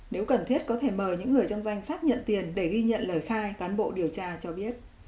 nếu cần thiết có thể mời những người trong danh sách nhận tiền để ghi nhận lời khai cán bộ điều tra cho biết